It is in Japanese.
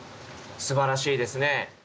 すばらしいですね。